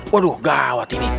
waduh gawat ini